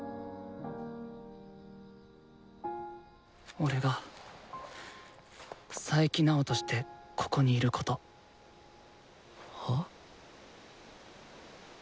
俺が佐伯直としてここにいること。は？